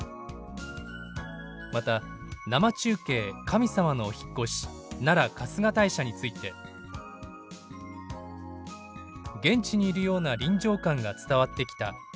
また「生中継神さまのお引っ越し奈良・春日大社」について「現地にいるような臨場感が伝わってきた」